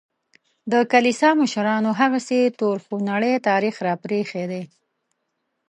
د کلیسا مشرانو هغسې تور خونړی تاریخ راپرېښی دی.